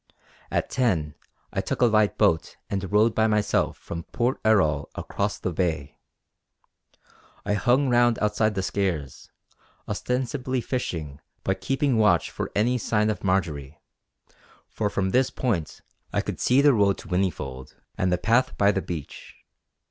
At ten I took a light boat and rowed by myself from Port Erroll across the bay. I hung round outside the Skares, ostensibly fishing but keeping watch for any sign of Marjory; for from this point I could see the road to Whinnyfold and the path by the beach.